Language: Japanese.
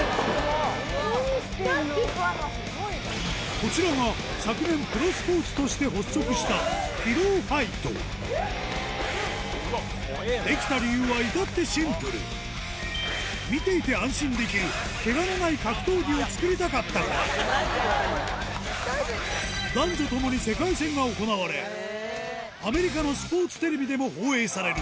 こちらが昨年プロスポーツとして発足した出来た理由は至ってシンプル見ていて安心できる怪我のない格闘技を作りたかったから男女ともに世界戦が行われアメリカのスポーツテレビでも放映される